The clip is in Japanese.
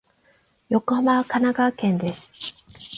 横浜は神奈川県です。